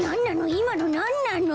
いまのなんなの？